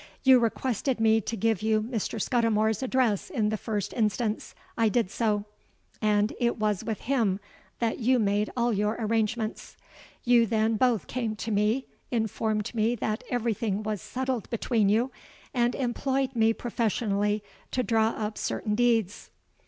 You requested me to give you Mr. Scudimore's address in the first instance: I did so; and it was with him that you made all your arrangements. You then both came to me, informed me that every thing was settled between you, and employed me professionally to draw up certain deeds.'